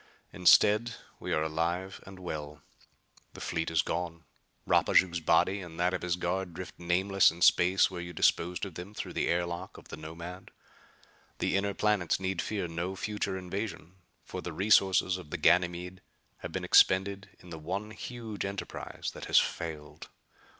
Instead, we are alive and well. The fleet is gone. Rapaju's body and that of his guard drift nameless in space where you disposed of them through the air lock of the Nomad. The inner planets need fear no future invasion, for the resources of Ganymede have been expended in the one huge enterprise that has failed.